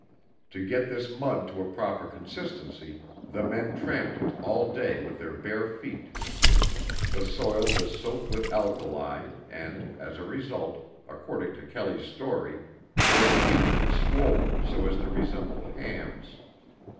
To get this mud to a proper consistency, the men tramped it all day with their bare feet. The soil was soaked with alkali, and as a result, according to Kelley's story, their feet were swollen so as to resemble "hams."